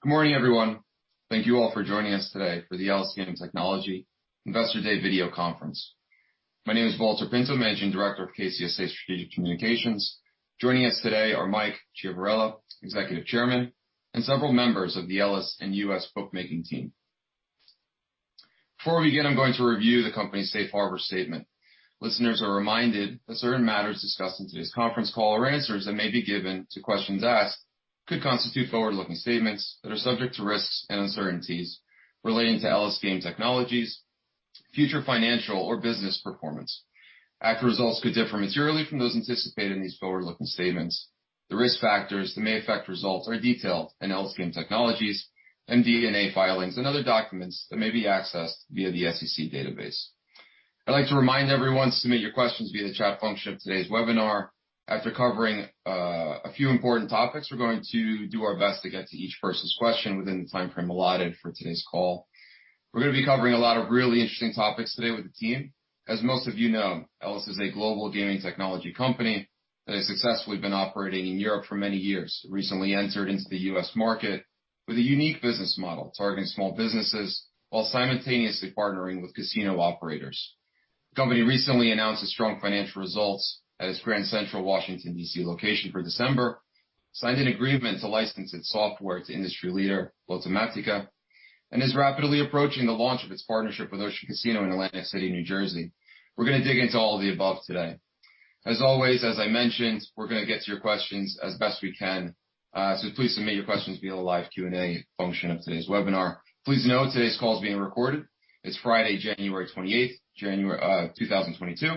Good morning, everyone. Thank you all for joining us today for the Elys Game Technology Investor Day video conference. My name is Valter Pinto, Managing Director of KCSA Strategic Communications. Joining us today are Mike Ciavarella, Executive Chairman, and several members of the Elys and U.S. Bookmaking team. Before we begin, I'm going to review the company's safe harbor statement. Listeners are reminded that certain matters discussed in today's conference call or answers that may be given to questions asked could constitute forward-looking statements that are subject to risks and uncertainties relating to Elys Game Technology's future financial or business performance. Actual results could differ materially from those anticipated in these forward-looking statements. The risk factors that may affect results are detailed in Elys Game Technology's MD&A filings and other documents that may be accessed via the SEC database. I'd like to remind everyone to submit your questions via the chat function of today's webinar. After covering a few important topics, we're going to do our best to get to each person's question within the timeframe allotted for today's call. We're gonna be covering a lot of really interesting topics today with the team. As most of you know, Elys is a global gaming technology company that has successfully been operating in Europe for many years. It recently entered into the U.S. market with a unique business model, targeting small businesses while simultaneously partnering with casino operators. The company recently announced its strong financial results at its Grand Central Washington, D.C. location for December, signed an agreement to license its software to industry leader Lottomatica, and is rapidly approaching the launch of its partnership with Ocean Casino in Atlantic City, New Jersey. We're gonna dig into all of the above today. As always, as I mentioned, we're gonna get to your questions as best we can. So please submit your questions via the live Q&A function of today's webinar. Please note today's call is being recorded. It's Friday, January 28, 2022.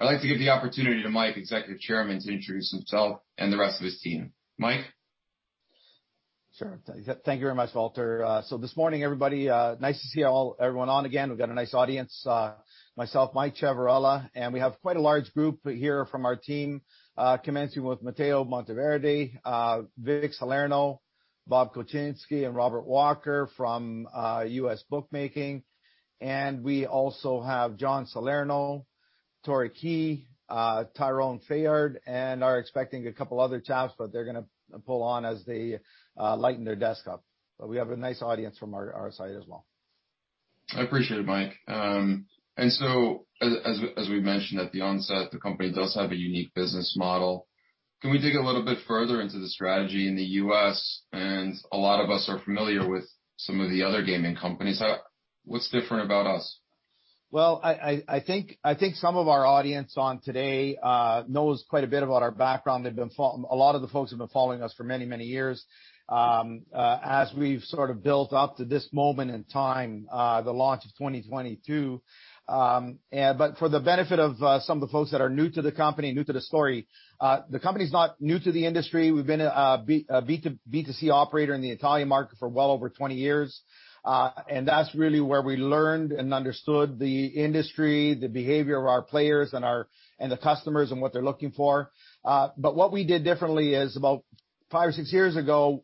I'd like to give the opportunity to Mike, Executive Chairman, to introduce himself and the rest of his team. Mike? Sure. Thank you very much, Valter. So this morning, everybody, nice to see everyone on again. We've got a nice audience. Myself, Mike Ciavarella, and we have quite a large group here from our team, commencing with Matteo Monteverdi, Vic Salerno, Bob Kocienski, and Robert Walker from USBookmaking. We also have John Salerno, Tory Key, Tyrone Fayard, and are expecting a couple other chats, but they're gonna log on as they log into their desktop. We have a nice audience from our side as well. I appreciate it, Mike. As we mentioned at the onset, the company does have a unique business model. Can we dig a little bit further into the strategy in the U.S.? A lot of us are familiar with some of the other gaming companies. What's different about us? Well, I think some of our audience today knows quite a bit about our background. They've been—A lot of the folks have been following us for many years as we've sort of built up to this moment in time, the launch of 2022. For the benefit of some of the folks that are new to the company, new to the story, the company's not new to the industry. We've been a B2C operator in the Italian market for well over 20 years, and that's really where we learned and understood the industry, the behavior of our players and the customers and what they're looking for. What we did differently is about five or six years ago,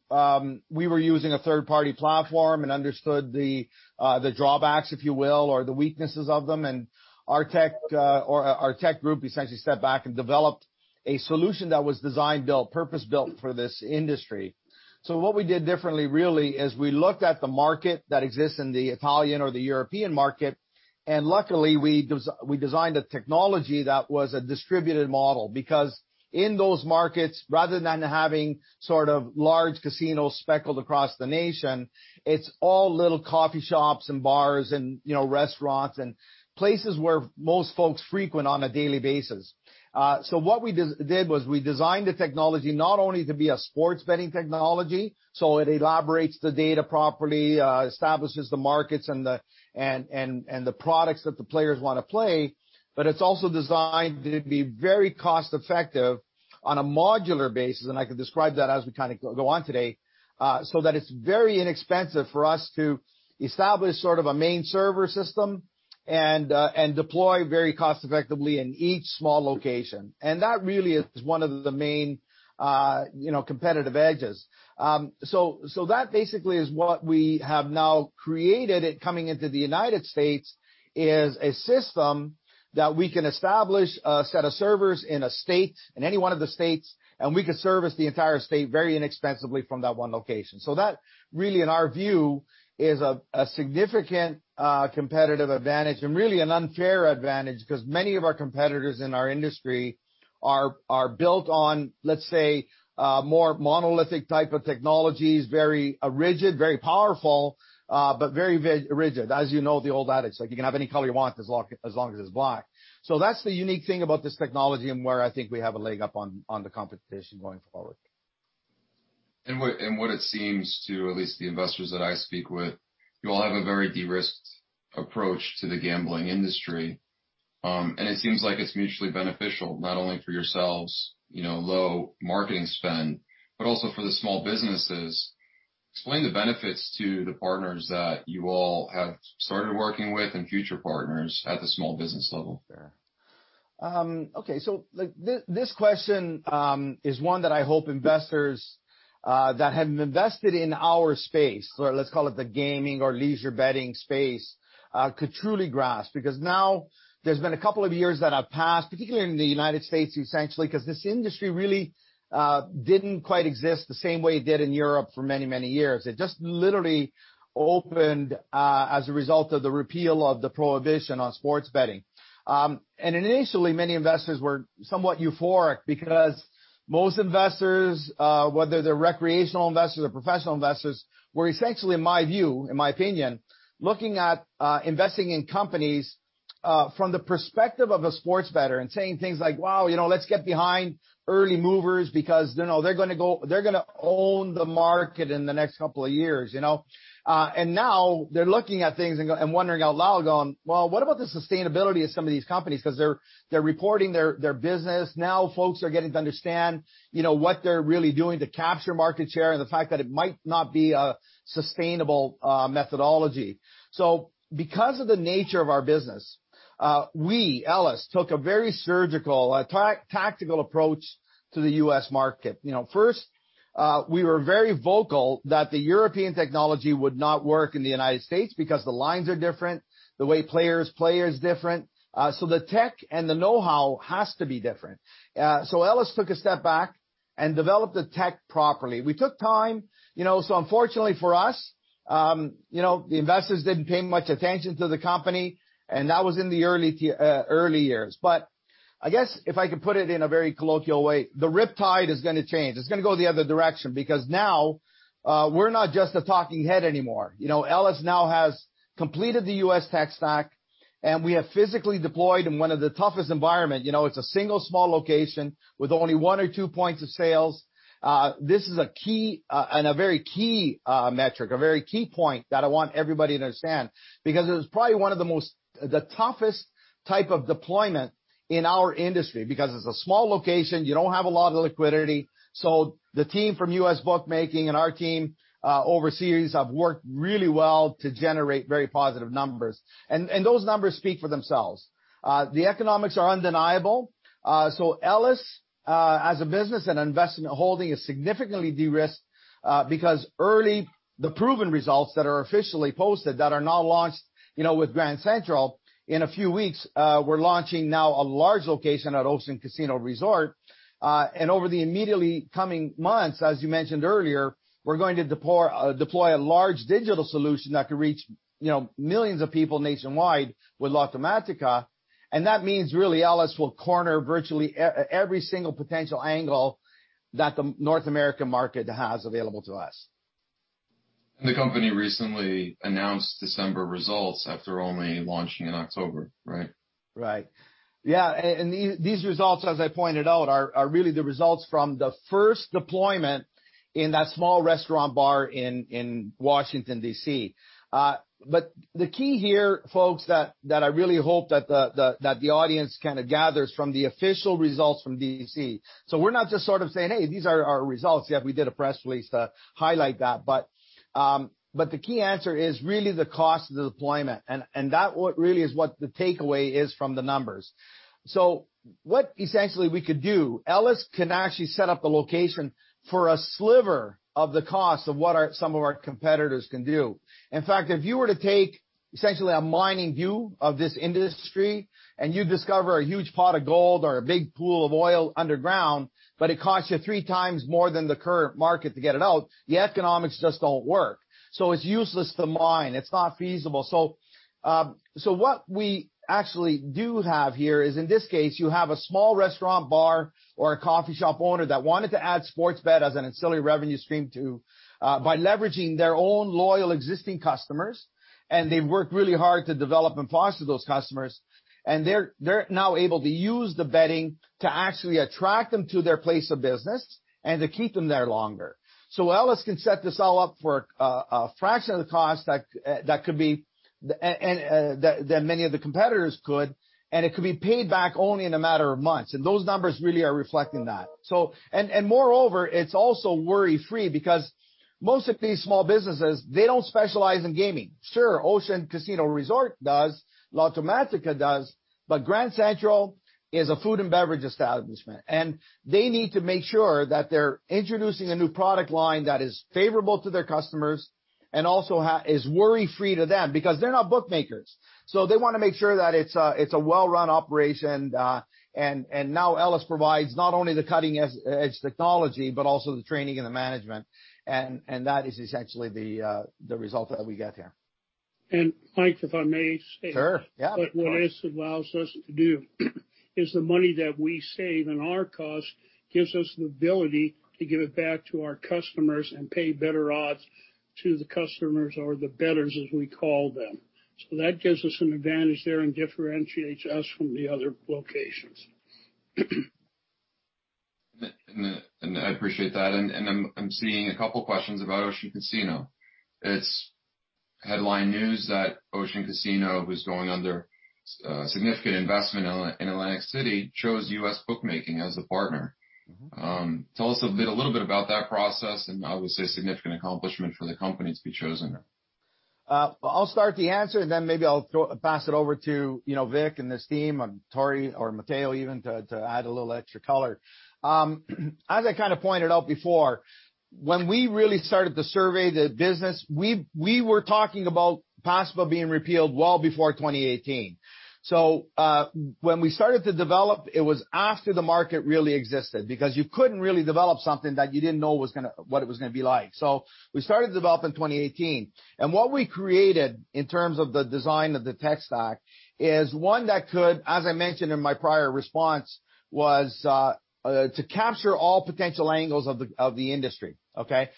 we were using a third-party platform and understood the drawbacks, if you will, or the weaknesses of them. Our tech group essentially stepped back and developed a solution that was designed, built, purpose-built for this industry. What we did differently really is we looked at the market that exists in the Italian or the European market, and luckily we designed a technology that was a distributed model. Because in those markets, rather than having sort of large casinos speckled across the nation, it's all little coffee shops and bars and, you know, restaurants and places where most folks frequent on a daily basis. So what we did was we designed the technology not only to be a sports betting technology, so it elaborates the data properly, establishes the markets and the products that the players wanna play, but it's also designed to be very cost-effective on a modular basis, and I can describe that as we kinda go on today, so that it's very inexpensive for us to establish sort of a main server system and deploy very cost-effectively in each small location. That really is one of the main, you know, competitive edges. That basically is what we have now created, coming into the United States, is a system that we can establish a set of servers in a state, in any one of the states, and we can service the entire state very inexpensively from that one location. That really, in our view, is a significant competitive advantage and really an unfair advantage because many of our competitors in our industry are built on, let's say, more monolithic type of technologies, very rigid, very powerful, but very rigid. As you know the old adage, like you can have any color you want as long as it's black. That's the unique thing about this technology and where I think we have a leg up on the competition going forward. What it seems to at least the investors that I speak with, you all have a very de-risked approach to the gambling industry. It seems like it's mutually beneficial, not only for yourselves, you know, low marketing spend, but also for the small businesses. Explain the benefits to the partners that you all have started working with and future partners at the small business level. Okay. Like this question is one that I hope investors that have invested in our space, or let's call it the gaming or leisure betting space, could truly grasp. Because now there's been a couple of years that have passed, particularly in the United States, essentially, 'cause this industry really didn't quite exist the same way it did in Europe for many, many years. It just literally opened as a result of the repeal of the prohibition on sports betting. Initially, many investors were somewhat euphoric because most investors, whether they're recreational investors or professional investors, were essentially, in my view, in my opinion, looking at investing in companies from the perspective of a sports bettor and saying things like, "Wow, you know, let's get behind early movers because, you know, they're gonna own the market in the next couple of years," you know? Now they're looking at things and wondering out loud, going, "Well, what about the sustainability of some of these companies?" Because they're reporting their business now. Folks are getting to understand, you know, what they're really doing to capture market share and the fact that it might not be a sustainable methodology. Because of the nature of our business, we, Elys, took a very surgical, tactical approach to the U.S. market. You know, first, we were very vocal that the European technology would not work in the United States because the lines are different, the way players play is different. The tech and the know-how has to be different. Elys took a step back and developed the tech properly. We took time, you know. Unfortunately for us, you know, the investors didn't pay much attention to the company, and that was in the early years. I guess if I could put it in a very colloquial way, the tide is gonna change. It's gonna go the other direction because now, we're not just a talking head anymore. You know, Elys now has completed the U.S. tech stack, and we have physically deployed in one of the toughest environment. You know, it's a single small location with only one or two points of sales. This is a key and a very key metric, a very key point that I want everybody to understand, because it was probably one of the toughest type of deployment in our industry because it's a small location. You don't have a lot of liquidity. The team from USBookmaking and our team overseas have worked really well to generate very positive numbers. Those numbers speak for themselves. The economics are undeniable. Elys as a business and investment holding is significantly de-risked because early the proven results that are officially posted that are now launched, you know, with Grand Central. In a few weeks, we're launching now a large location at Ocean Casino Resort. Over the immediately coming months, as you mentioned earlier, we're going to deploy a large digital solution that could reach, you know, millions of people nationwide with Lottomatica. That means really Elys will corner virtually every single potential angle that the North American market has available to us. The company recently announced December results after only launching in October, right? Right. Yeah, these results, as I pointed out, are really the results from the first deployment in that small restaurant bar in Washington, D.C. The key here, folks, I really hope that the audience kinda gathers from the official results from D.C. We're not just sort of saying, "Hey, these are our results." Yeah, we did a press release to highlight that. The key answer is really the cost of the deployment, and that what really is what the takeaway is from the numbers. What essentially we could do, Elys can actually set up a location for a sliver of the cost of what some of our competitors can do. In fact, if you were to take essentially a mining view of this industry, and you discover a huge pot of gold or a big pool of oil underground, but it costs you three times more than the current market to get it out, the economics just don't work. It's useless to mine. It's not feasible. What we actually do have here is, in this case, you have a small restaurant bar or a coffee shop owner that wanted to add sports betting as an ancillary revenue stream by leveraging their own loyal existing customers, and they've worked really hard to develop and foster those customers. They're now able to use the betting to actually attract them to their place of business and to keep them there longer. Elys can set this all up for a fraction of the cost that many of the competitors could, and it could be paid back only in a matter of months. Those numbers really are reflecting that. Moreover, it's also worry-free because most of these small businesses, they don't specialize in gaming. Sure, Ocean Casino Resort does, Lottomatica does, but Grand Central is a food and beverage establishment, and they need to make sure that they're introducing a new product line that is favorable to their customers and also is worry-free to them because they're not bookmakers. They wanna make sure that it's a well-run operation. Now Elys provides not only the cutting-edge technology but also the training and the management. That is essentially the result that we get here. Mike, if I may say. Sure. Yeah. What this allows us to do is the money that we save in our cost gives us the ability to give it back to our customers and pay better odds to the customers or the bettors, as we call them. That gives us an advantage there and differentiates us from the other locations. I appreciate that. I’m seeing a couple questions about Ocean Casino. It's headline news that Ocean Casino, who's undergoing significant investment in Atlantic City, chose USBookmaking as the partner. Tell us a little bit about that process and obviously a significant accomplishment for the company to be chosen. I'll start the answer, and then maybe I'll pass it over to, you know, Vic and his team or Tory or Matteo even to add a little extra color. As I kind of pointed out before, when we really started to survey the business, we were talking about PASPA being repealed well before 2018. When we started to develop, it was after the market really existed because you couldn't really develop something that you didn't know what it was gonna be like. We started developing in 2018. What we created in terms of the design of the tech stack is one that could, as I mentioned in my prior response, was to capture all potential angles of the industry. Okay?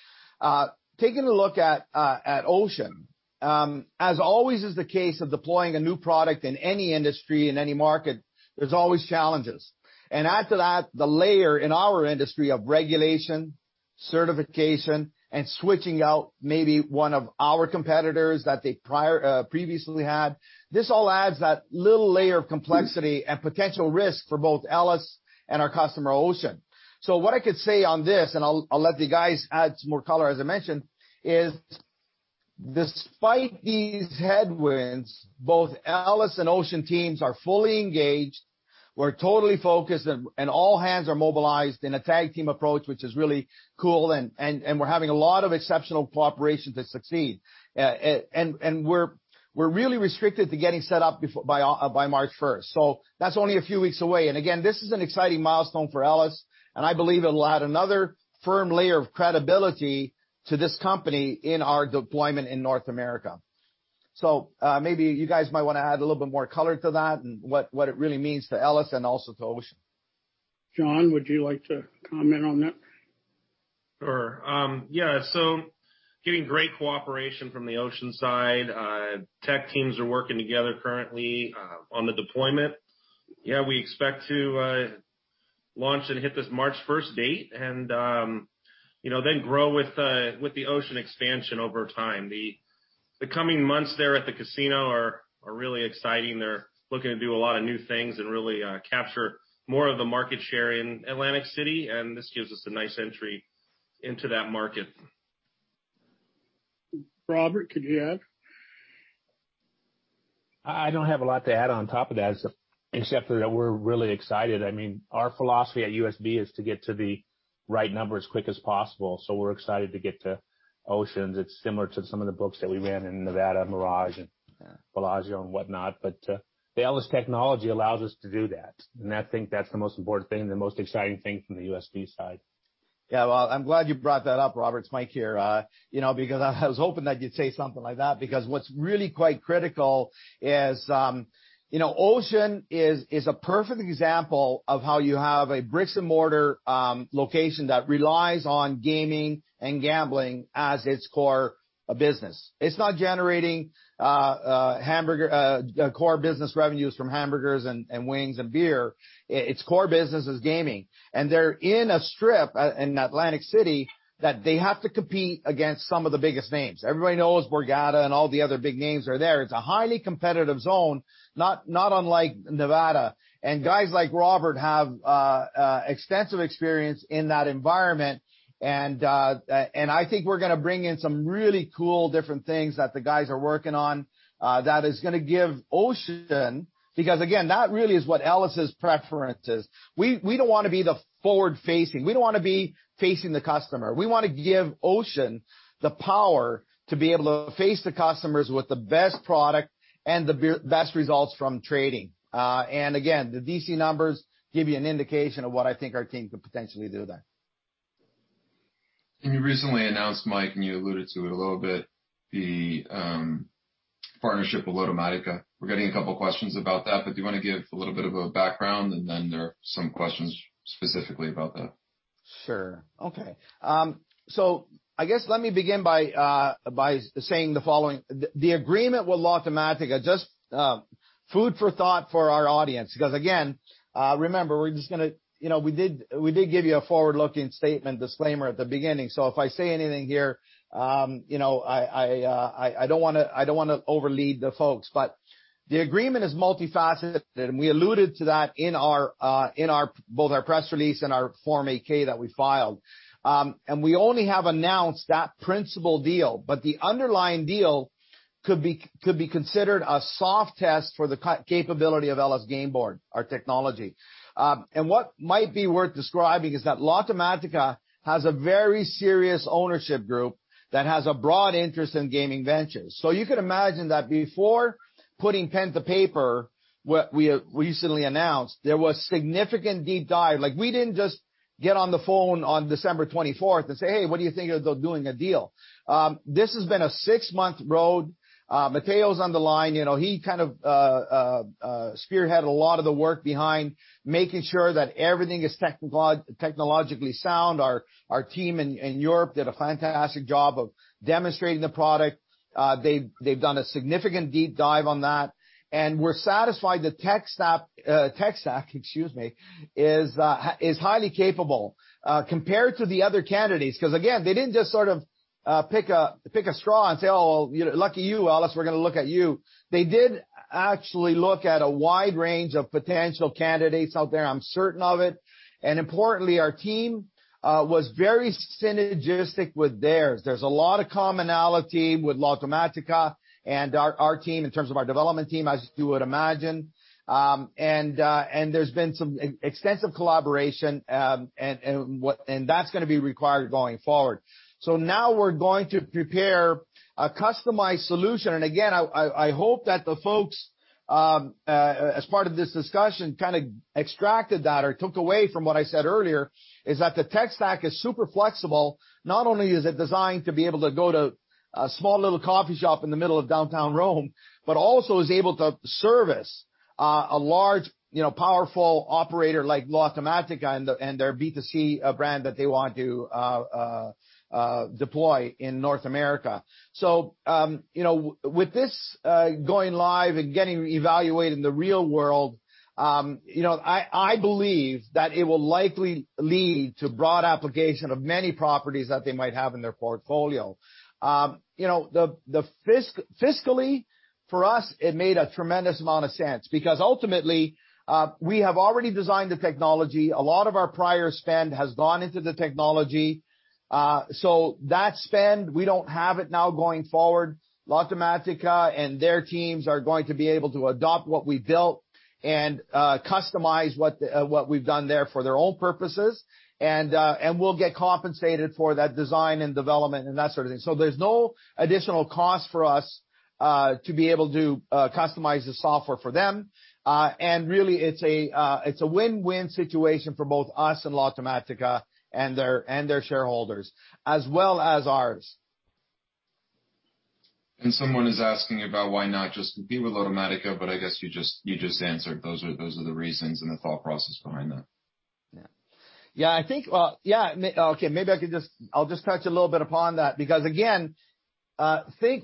Taking a look at Ocean, as always is the case of deploying a new product in any industry, in any market, there's always challenges. Add to that, the layer in our industry of regulation, certification, and switching out maybe one of our competitors that they prior, previously had. This all adds that little layer of complexity and potential risk for both Elys and our customer, Ocean. What I could say on this, and I'll let the guys add some more color, as I mentioned, is despite these headwinds, both Elys and Ocean teams are fully engaged, we're totally focused and we're having a lot of exceptional cooperation to succeed. We're really restricted to getting set up before... by March first. That's only a few weeks away. Again, this is an exciting milestone for Elys, and I believe it'll add another firmer layer of credibility to this company in our deployment in North America. Maybe you guys might wanna add a little bit more color to that and what it really means to Elys and also to Ocean. John, would you like to comment on that? Sure. Getting great cooperation from the Ocean side. Tech teams are working together currently on the deployment. We expect to launch and hit this March first date and you know then grow with the Ocean expansion over time. The coming months there at the casino are really exciting. They're looking to do a lot of new things and really capture more of the market share in Atlantic City, and this gives us a nice entry into that market. Robert, could you add? I don't have a lot to add on top of that, except for that we're really excited. I mean, our philosophy at USB is to get to the right number as quick as possible, so we're excited to get to Ocean's. It's similar to some of the books that we ran in Nevada, Mirage and Bellagio and whatnot. The Elys technology allows us to do that. I think that's the most important thing and the most exciting thing from the USB side. Yeah, well, I'm glad you brought that up, Robert. It's Mike here. You know, because I was hoping that you'd say something like that, because what's really quite critical is, you know, Ocean is a perfect example of how you have a bricks and mortar location that relies on gaming and gambling as its core business. It's not generating core business revenues from hamburgers and wings and beer. Its core business is gaming. They're in a strip in Atlantic City that they have to compete against some of the biggest names. Everybody knows Borgata and all the other big names are there. It's a highly competitive zone, not unlike Nevada. Guys like Robert have extensive experience in that environment. I think we're gonna bring in some really cool different things that the guys are working on, that is gonna give Ocean. Because again, that really is what Elys' preference is. We don't wanna be the forward-facing. We don't wanna be facing the customer. We wanna give Ocean the power to be able to face the customers with the best product and the best results from trading. Again, the D.C. numbers give you an indication of what I think our team could potentially do there. You recently announced, Mike, and you alluded to it a little bit, the partnership with Lottomatica. We're getting a couple of questions about that, but do you wanna give a little bit of a background? There are some questions specifically about that. Sure. Okay. I guess let me begin by saying the following. The agreement with Lottomatica just food for thought for our audience, because again remember, we're just gonna, you know, we did give you a forward-looking statement disclaimer at the beginning. If I say anything here, you know, I don't wanna overlead the folks. The agreement is multifaceted, and we alluded to that in both our press release and our Form 8-K that we filed. We only have announced that principal deal, but the underlying deal could be considered a soft test for the capability of Elys Gameboard, our technology. What might be worth describing is that Lottomatica has a very serious ownership group that has a broad interest in gaming ventures. You could imagine that before putting pen to paper, what we recently announced, there was significant deep dive. Like we didn't just get on the phone on December 24th and say, "Hey, what do you think of doing a deal?" This has been a six-month road. Matteo's on the line. You know, he kind of spearheaded a lot of the work behind making sure that everything is technologically sound. Our team in Europe did a fantastic job of demonstrating the product. They've done a significant deep dive on that. We're satisfied the tech stack, excuse me, is highly capable compared to the other candidates, 'cause again, they didn't just sort of pick a straw and say, "Oh, well, you know, lucky you, Elys, we're gonna look at you." They did actually look at a wide range of potential candidates out there, I'm certain of it. Importantly, our team was very synergistic with theirs. There's a lot of commonality with Lottomatica and our team in terms of our development team, as you would imagine. And there's been some extensive collaboration, and that's gonna be required going forward. Now we're going to prepare a customized solution. Again, I hope that the folks as part of this discussion kinda extracted that or took away from what I said earlier, is that the tech stack is super flexible. Not only is it designed to be able to go to a small little coffee shop in the middle of downtown Rome, but also is able to service a large, you know, powerful operator like Lottomatica and their B2C brand that they want to deploy in North America. With this going live and getting evaluated in the real world, you know, I believe that it will likely lead to broad application of many properties that they might have in their portfolio. You know, fiscally, for us, it made a tremendous amount of sense because ultimately, we have already designed the technology. A lot of our prior spend has gone into the technology. That spend, we don't have it now going forward. Lottomatica and their teams are going to be able to adopt what we built and customize what we've done there for their own purposes. We'll get compensated for that design and development and that sort of thing. There's no additional cost for us to be able to customize the software for them. Really, it's a win-win situation for both us and Lottomatica and their shareholders as well as ours. Someone is asking about why not just compete with Lottomatica, but I guess you just answered. Those are the reasons and the thought process behind that. Yeah. Yeah, I think, yeah. Maybe I could just touch a little bit upon that because, again,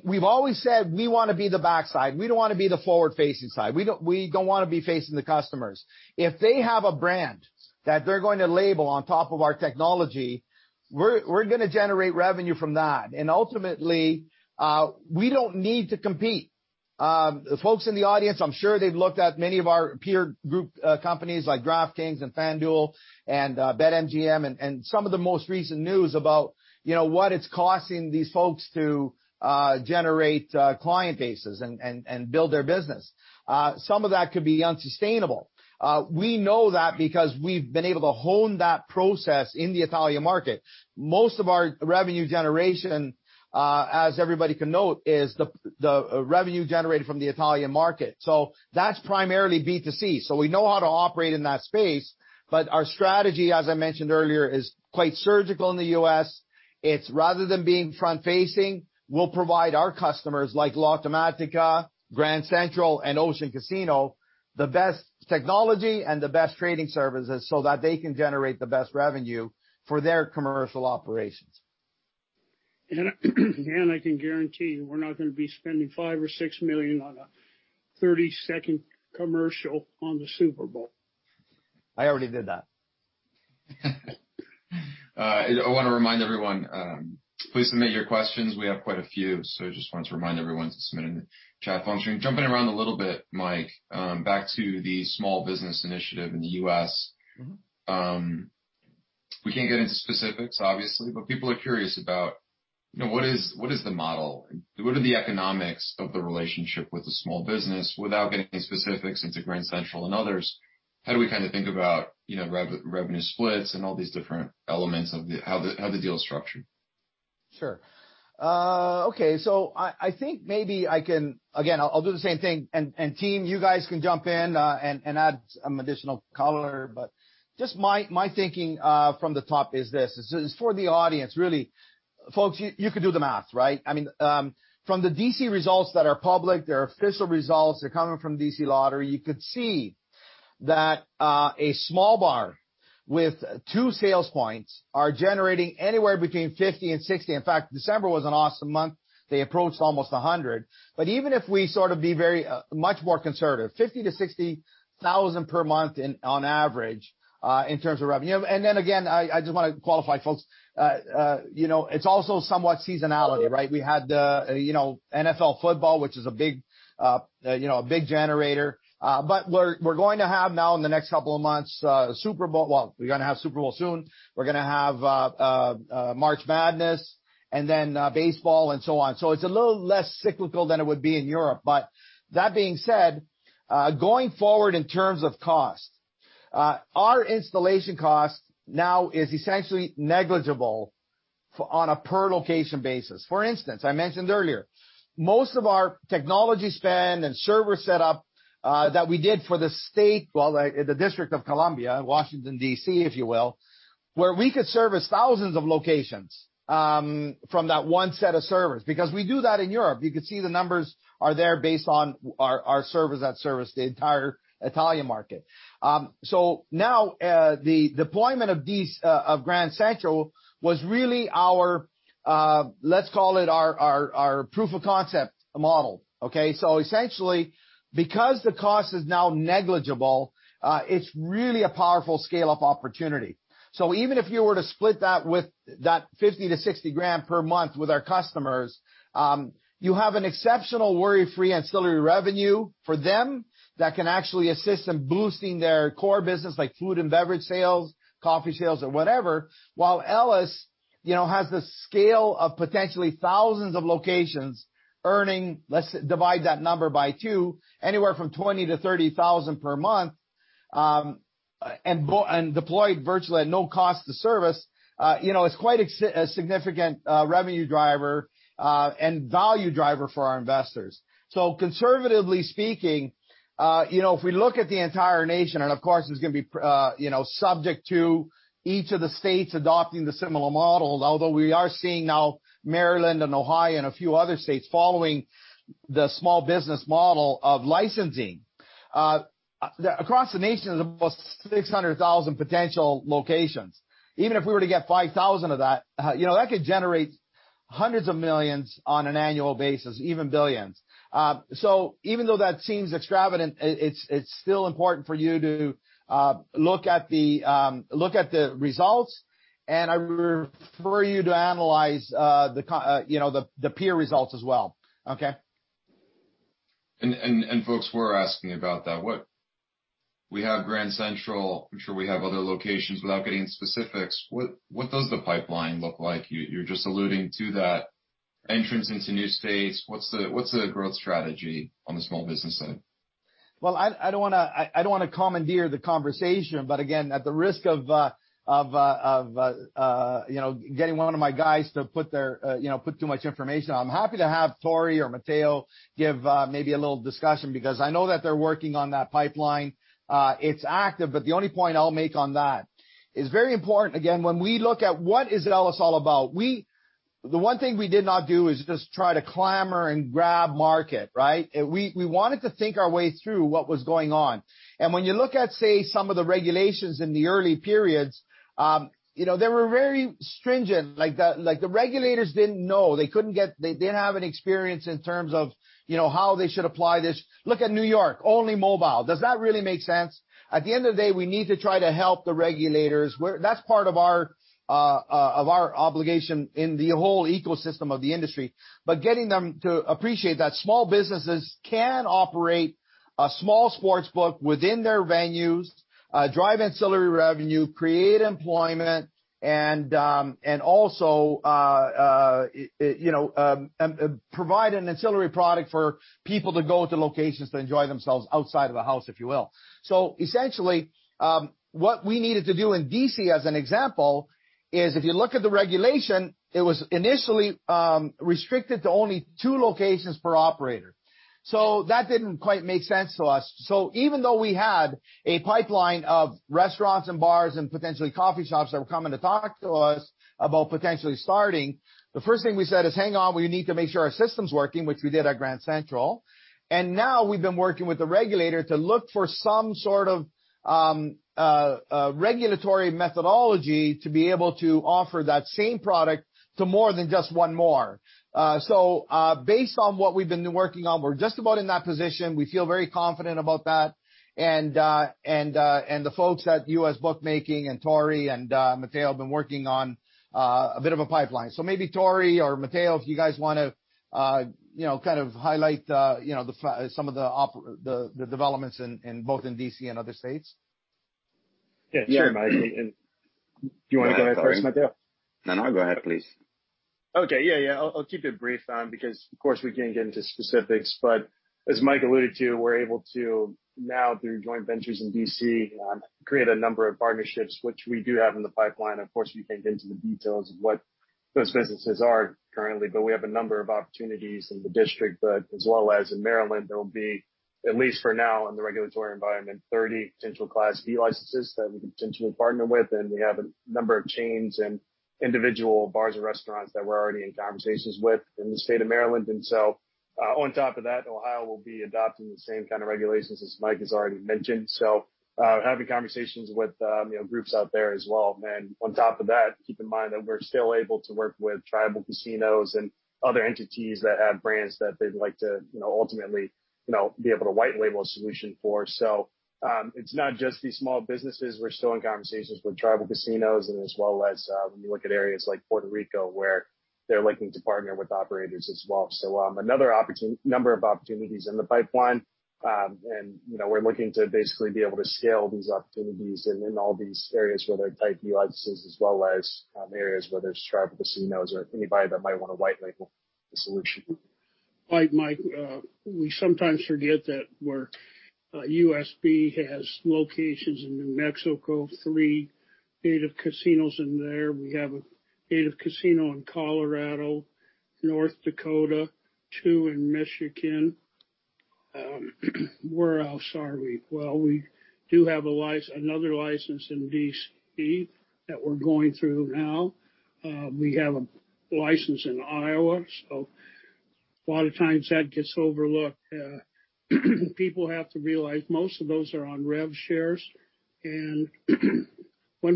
we've always said we wanna be the backside. We don't wanna be the forward-facing side. We don't wanna be facing the customers. If they have a brand that they're going to label on top of our technology, we're gonna generate revenue from that. Ultimately, we don't need to compete. Folks in the audience, I'm sure they've looked at many of our peer group companies like DraftKings and FanDuel and BetMGM and some of the most recent news about, you know, what it's costing these folks to generate client bases and build their business. Some of that could be unsustainable. We know that because we've been able to hone that process in the Italian market. Most of our revenue generation, as everybody can note, is the revenue generated from the Italian market. That's primarily B2C, so we know how to operate in that space. Our strategy, as I mentioned earlier, is quite surgical in the U.S. It's rather than being front-facing, we'll provide our customers like Lottomatica, Grand Central, and Ocean Casino, the best technology and the best trading services so that they can generate the best revenue for their commercial operations. I can guarantee we're not gonna be spending $5 million or $6 million on a 30-second commercial on the Super Bowl. I already did that. I wanna remind everyone, please submit your questions. We have quite a few, so I just wanted to remind everyone to submit in the chat function. Jumping around a little bit, Mike, back to the small business initiative in the U.S. Mm-hmm. We can't get into specifics, obviously, but people are curious about, you know, what is the model? What are the economics of the relationship with the small business without getting into specifics into Grand Central and others? How do we kinda think about, you know, revenue splits and all these different elements of the how the deal is structured? Sure. Okay. I think maybe I can. Again, I'll do the same thing. Team, you guys can jump in and add some additional color. Just my thinking from the top is this. It's for the audience, really. Folks, you could do the math, right? I mean, from the D.C. results that are public, their official results are coming from D.C. Lottery. You could see that a small bar with two sales points are generating anywhere between $50,000 and $60,000. In fact, December was an awesome month. They approached almost $100,000. Even if we sort of be very much more conservative, $50,000-$60,000 per month on average in terms of revenue. Then again, I just wanna qualify, folks. You know, it's also somewhat seasonal, right? We had, you know, NFL football, which is a big, you know, a big generator. We're going to have now in the next couple of months, Super Bowl. Well, we're gonna have Super Bowl soon. We're gonna have March Madness and then baseball and so on. It's a little less cyclical than it would be in Europe. That being said, going forward in terms of cost, our installation cost now is essentially negligible on a per location basis. For instance, I mentioned earlier, most of our technology spend and server setup that we did for the state, well, the District of Columbia, Washington, D.C., if you will, where we could service thousands of locations from that one set of servers. Because we do that in Europe. You could see the numbers are there based on our servers that service the entire Italian market. Now, the deployment of Grand Central was really our, let's call it our proof of concept model, okay? Essentially, because the cost is now negligible, it's really a powerful scale-up opportunity. Even if you were to split that with that $50,000-$60,000 per month with our customers, you have an exceptional worry-free ancillary revenue for them that can actually assist in boosting their core business like food and beverage sales, coffee sales or whatever. While Elys, you know, has the scale of potentially thousands of locations earning, let's divide that number by two, anywhere from $20,000-$30,000 per month, and deployed virtually at no cost to service, you know, it's quite a significant revenue driver and value driver for our investors. Conservatively speaking, you know, if we look at the entire nation and of course it's gonna be subject to each of the states adopting the similar model, although we are seeing now Maryland and Ohio and a few other states following the small business model of licensing. Across the nation is about 600,000 potential locations. Even if we were to get 5,000 of that, you know, that could generate hundreds of millions on an annual basis, even billions. Even though that seems extravagant, it's still important for you to look at the results, and I refer you to analyze you know, the peer results as well. Okay? Folks were asking about that. What we have Grand Central, I'm sure we have other locations without getting specifics. What does the pipeline look like? You're just alluding to that entrance into new space. What's the growth strategy on the small business side? Well, I don't wanna commandeer the conversation, but again, at the risk of you know, getting one of my guys to put too much information, I'm happy to have Tory or Matteo give maybe a little discussion because I know that they're working on that pipeline. It's active, but the only point I'll make on that is very important. Again, when we look at what is Elys all about, the one thing we did not do is just try to clamor and grab market, right? We wanted to think our way through what was going on. When you look at, say, some of the regulations in the early periods, you know, they were very stringent. Like the regulators didn't know. They didn't have any experience in terms of, you know, how they should apply this. Look at New York, only mobile. Does that really make sense? At the end of the day, we need to try to help the regulators. That's part of our obligation in the whole ecosystem of the industry. But getting them to appreciate that small businesses can operate a small sports book within their venues, drive ancillary revenue, create employment and also it, you know, provide an ancillary product for people to go to locations to enjoy themselves outside of the house, if you will. Essentially, what we needed to do in D.C. as an example is, if you look at the regulation, it was initially restricted to only two locations per operator. That didn't quite make sense to us. Even though we had a pipeline of restaurants and bars and potentially coffee shops that were coming to talk to us about potentially starting, the first thing we said is, "Hang on. We need to make sure our system's working," which we did at Grand Central. Now we've been working with the regulator to look for some sort of regulatory methodology to be able to offer that same product to more than just one more. Based on what we've been working on, we're just about in that position. We feel very confident about that. The folks at USBookmaking and Tory and Matteo have been working on a bit of a pipeline. Maybe Tory or Matteo, if you guys wanna, you know, kind of highlight, you know, the developments in both D.C. and other states. Yeah. Sure, Mike. Do you wanna go ahead first, Matteo? No, no, go ahead, please. Okay. Yeah. I'll keep it brief, because of course, we can't get into specifics, but as Mike alluded to, we're able to now through joint ventures in D.C., create a number of partnerships which we do have in the pipeline. Of course, we can't get into the details of what those businesses are currently, but we have a number of opportunities in the district, but as well as in Maryland, there'll be, at least for now in the regulatory environment, 30 potential Class B licenses that we can potentially partner with, and we have a number of chains and individual bars and restaurants that we're already in conversations with in the state of Maryland. On top of that, Ohio will be adopting the same kinda regulations as Mike has already mentioned. Having conversations with, you know, groups out there as well. On top of that, keep in mind that we're still able to work with tribal casinos and other entities that have brands that they'd like to, you know, ultimately, you know, be able to white label a solution for. It's not just these small businesses. We're still in conversations with tribal casinos and as well as, when you look at areas like Puerto Rico where they're looking to partner with operators as well. Another number of opportunities in the pipeline, and you know, we're looking to basically be able to scale these opportunities and in all these areas where they're Class B licenses as well as, areas whether it's tribal casinos or anybody that might wanna white label the solution. Mike, we sometimes forget that we're USB has locations in New Mexico, three Native casinos in there. We have a Native casino in Colorado, North Dakota, two in Michigan. Where else are we? Well, we do have another license in D.C. that we're going through now. We have a license in Iowa, so a lot of times that gets overlooked. People have to realize most of those are on rev shares. When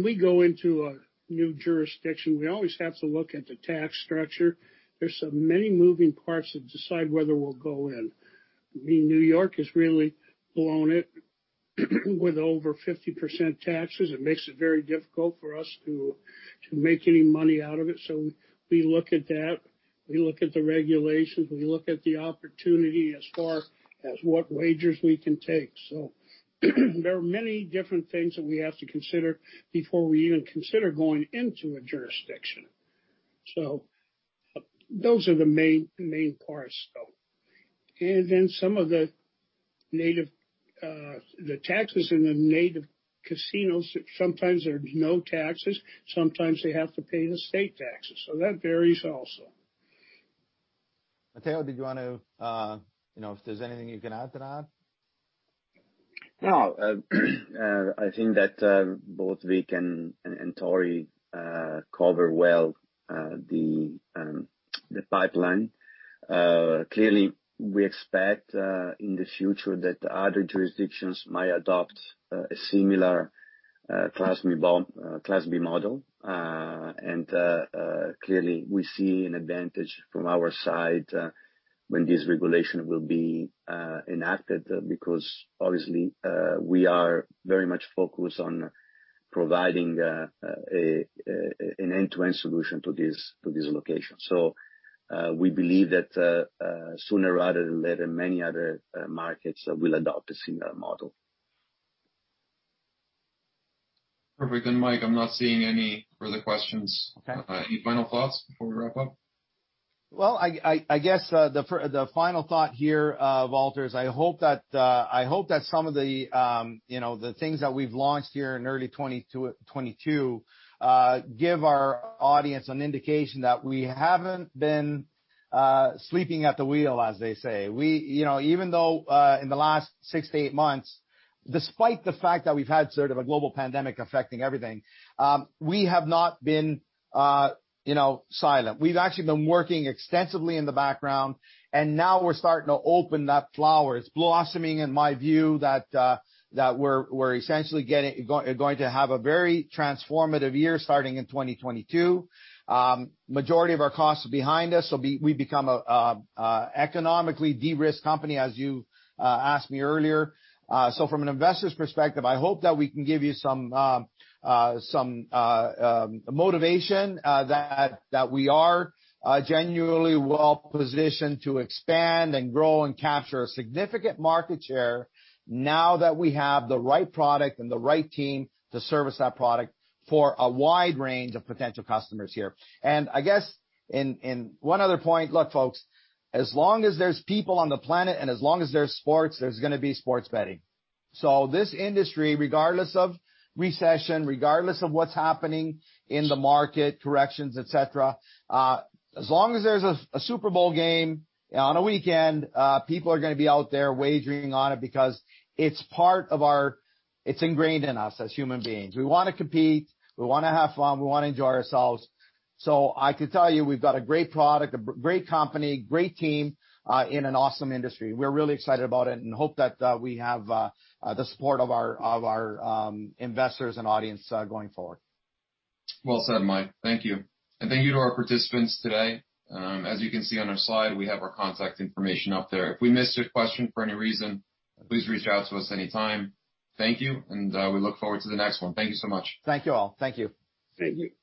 we go into a new jurisdiction, we always have to look at the tax structure. There's so many moving parts that decide whether we'll go in. I mean, New York has really blown it. With over 50% taxes, it makes it very difficult for us to make any money out of it. We look at that, we look at the regulations, we look at the opportunity as far as what wagers we can take. There are many different things that we have to consider before we even consider going into a jurisdiction. Those are the main parts though. Then some of the native, the taxes in the Native casinos, sometimes there's no taxes, sometimes they have to pay the state taxes. That varies also. Matteo, did you want to, you know, if there's anything you can add to that? No, I think that both Vic and Tory cover well the pipeline. Clearly we expect in the future that other jurisdictions might adopt a similar Class B model. Clearly we see an advantage from our side when this regulation will be enacted because obviously we are very much focused on providing an end-to-end solution to these locations. We believe that sooner rather than later many other markets will adopt a similar model. Perfect. Mike, I'm not seeing any further questions. Okay. Any final thoughts before we wrap up? Well, I guess the final thought here, Valter, is I hope that some of the, you know, the things that we've launched here in early 2022 give our audience an indication that we haven't been sleeping at the wheel, as they say. We, you know, even though in the last six to eight months, despite the fact that we've had sort of a global pandemic affecting everything, we have not been, you know, silent. We've actually been working extensively in the background, and now we're starting to open that flower. It's blossoming in my view that we're essentially going to have a very transformative year starting in 2022. Majority of our costs are behind us. We've become an economically de-risked company, as you asked me earlier. From an investor's perspective, I hope that we can give you some motivation that we are genuinely well-positioned to expand and grow and capture a significant market share now that we have the right product and the right team to service that product for a wide range of potential customers here. I guess in one other point, look, folks, as long as there's people on the planet, and as long as there's sports, there's gonna be sports betting. This industry, regardless of recession, regardless of what's happening in the market, corrections, et cetera, as long as there's a Super Bowl game on a weekend, people are gonna be out there wagering on it because it's part of our. It's ingrained in us as human beings. We wanna compete, we wanna have fun, we wanna enjoy ourselves. I could tell you we've got a great product, a great company, great team, in an awesome industry. We're really excited about it and hope that we have the support of our investors and audience going forward. Well said, Mike. Thank you. Thank you to our participants today. As you can see on our slide, we have our contact information up there. If we missed your question for any reason, please reach out to us anytime. Thank you, and we look forward to the next one. Thank you so much. Thank you all. Thank you. Thank you. Thanks.